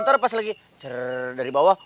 ntar pasti lagi cerrrrr dari bawah